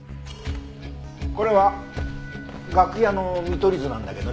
これは楽屋の見取り図なんだけどね。